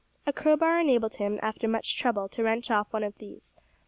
A crowbar enabled him, after much trouble, to wrench off one of these.